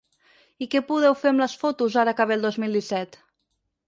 I què podeu fer amb les fotos ara que ve el dos mil disset?